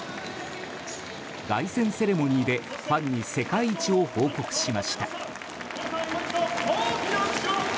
凱旋セレモニーでファンに世界一を報告しました。